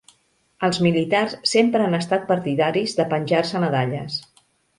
Els militars sempre han estat partidaris de penjar-se medalles.